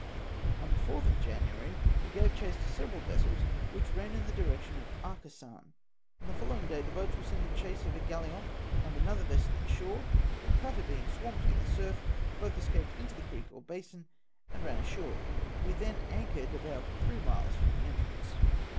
On the 4th of 'January we gave chase to several vessels wdiich ran in the du'ection of Ai'cassan. On the following day the boats w^ere sent in chase of a gaUiot and another vessel in shore, but the cutter being swamped in the surf, both escaped into the creek or basin, and ran ashore. We then anchored about three miles from the entrance.